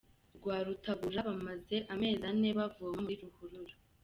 Rwabutabura Bamaze amezi ane bavoma muri ruhurura